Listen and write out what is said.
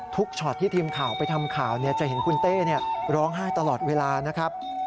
ช็อตที่ทีมข่าวไปทำข่าวจะเห็นคุณเต้ร้องไห้ตลอดเวลานะครับ